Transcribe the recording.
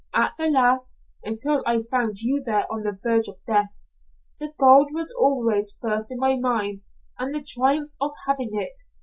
At the last until I found you there on the verge of death the gold was always first in my mind, and the triumph of having it.